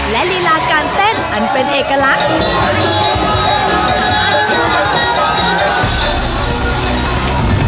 และลีลาการเต้นอันเป็นเอกลักษณ์อีก